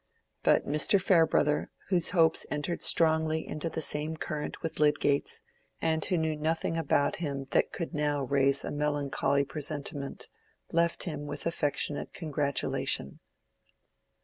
But Mr. Farebrother, whose hopes entered strongly into the same current with Lydgate's, and who knew nothing about him that could now raise a melancholy presentiment, left him with affectionate congratulation.